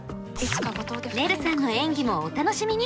ねるさんの演技もお楽しみに！